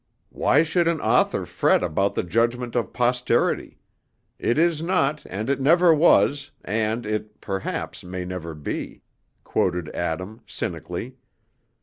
"'Why should an author fret about The judgment of posterity? It is not, and it never was, And it, perhaps, may never be,'" quoted Adam, cynically.